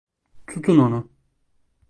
Tutun onu!